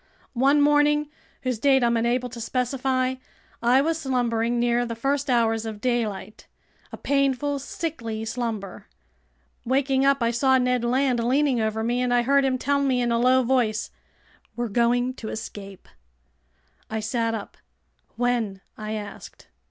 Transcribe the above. One morning—whose date I'm unable to specify—I was slumbering near the first hours of daylight, a painful, sickly slumber. Waking up, I saw Ned Land leaning over me, and I heard him tell me in a low voice: "We're going to escape!" I sat up. "When?" I asked.